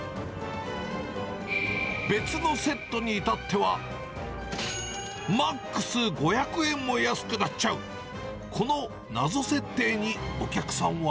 別のセットに至っては、マックス５００円も安くなっちゃう、この謎設定にお客さんは。